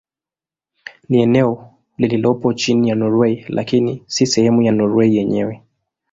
Ni eneo lililopo chini ya Norwei lakini si sehemu ya Norwei yenyewe.